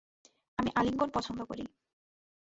আমি আলিঙ্গন পছন্দ করি।